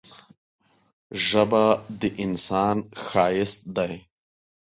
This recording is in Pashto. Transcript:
ژبه د انسان ښايست دی.